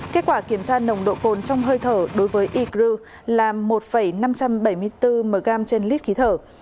kết quả kiểm tra nồng độ cồn trong hơi thở đối với icru là một năm trăm bảy mươi bốn mg trên lít khí thở